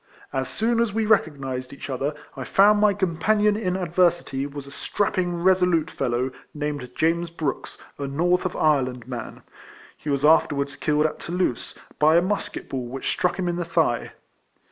As soon as we re cognised each other, I found ray companion in adversity was a strapping resolute fellow named James Brooks, a north of Ireland man. He was afterwards killed at Toulouse, by a musket ball which struck him in the thigh.